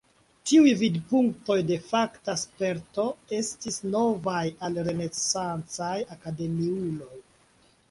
Tiuj vidpunktoj de fakta sperto estis novaj al renesancaj akademiuloj.